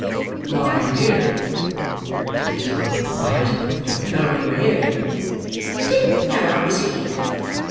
"My dear," said Mr. Bumble, "I didn't know you were here." "Didn't know I was here!"